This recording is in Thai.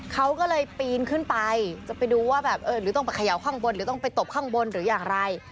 เขาก็เลยปีนขึ้นไปจะไปดูว่าแบบเออหรือต้องไปเขย่าข้างบนหรือต้องไปตบข้างบนหรืออย่างไร